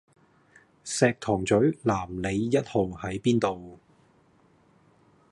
石塘嘴南里壹號喺邊度？